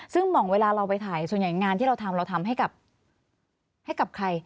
ซึ่งห่องเวลาเราไปถ่ายส่วนใหญ่งานที่เราทำเราทำให้กับใคร